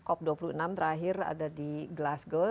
cop dua puluh enam terakhir ada di glasgow